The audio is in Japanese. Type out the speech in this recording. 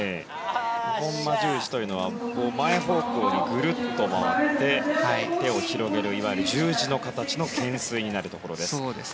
ホンマ十字というのは前方向にぐるっと回って手を広げる、いわゆる十字の形の懸垂になるところです。